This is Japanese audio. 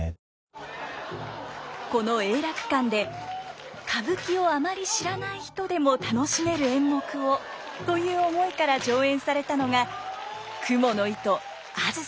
「この永楽館で歌舞伎をあまり知らない人でも楽しめる演目を」という思いから上演されたのが「蜘蛛絲梓弦」。